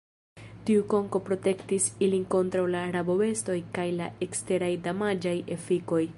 Tiu konko protektis ilin kontraŭ la rabobestoj kaj la eksteraj damaĝaj efikoj.